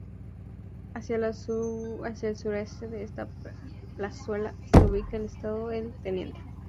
Hacia el suroeste de esa plazuela se ubica el Estadio El Teniente.